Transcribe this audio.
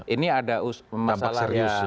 ini ada masalah yang serius